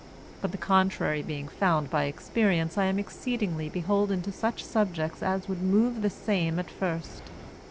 But the contrary being found by experience, I am exceedingly beholden to such subjects as would move the same at first.